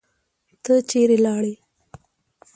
ته چیرې لاړې؟